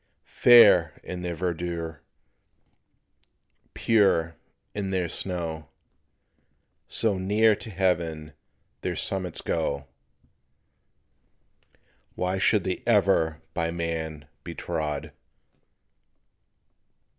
Fair in their verdure, pure in their snow, So near to heaven their summits go Why should they ever by man be trod?